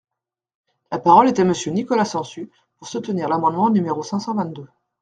La parole est à Monsieur Nicolas Sansu, pour soutenir l’amendement numéro cinq cent vingt-deux.